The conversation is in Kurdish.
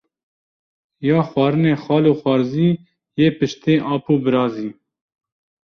Ya xwarinê xal û xwarzî, yê piştê ap û birazî